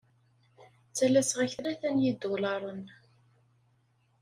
Ttalaseɣ-ak tlata n yidulaṛen.